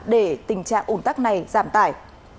để tình trạng ủng tắc này giảm tải